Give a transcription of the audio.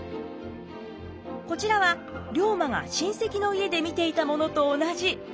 こちらは龍馬が親戚の家で見ていたものと同じ世界地図。